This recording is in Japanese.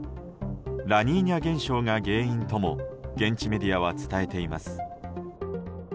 ラニーニャ現象が原因とも現地メディアは伝えています。